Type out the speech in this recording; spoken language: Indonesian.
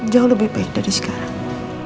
jauh lebih baik dari sekarang